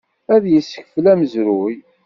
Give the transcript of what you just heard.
Ad yessekfel amezruy.